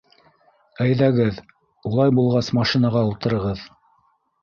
Әйҙәгеҙ, улай булғас машинаға ултырығыҙ.